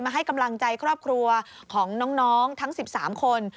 ให้กำลังใจครอบครัวของน้องทั้ง๑๓คน